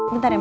bentar ya ma